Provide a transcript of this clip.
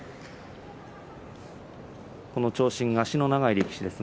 この長身、足の長い力士です。